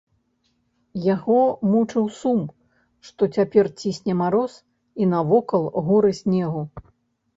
Яго мучыў сум, што цяпер цісне мароз і навокал горы снегу.